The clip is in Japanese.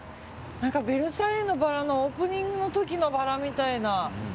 「ベルサイユのばら」のオープニングの時のバラみたいな。